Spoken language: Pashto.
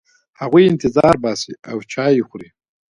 هغوی انتظار باسي او چای خوري.